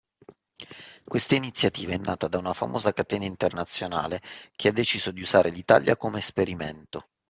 Questa iniziativa è nata da una famosa catena internazionale che ha deciso di usare l'Italia come esperimento